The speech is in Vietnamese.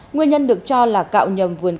nguyên nhân được cho là cạo nhầm vườn cáo